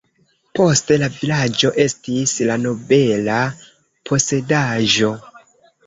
Poste la vilaĝo estis la nobela posedaĵo.